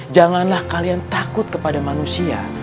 janganlah kalian takut kepada manusia